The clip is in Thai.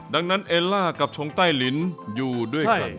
ดังนั้นเอลล่ากับชงใต้ลิ้นอยู่ด้วยกัน